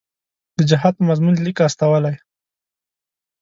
د جهاد په مضمون لیک استولی.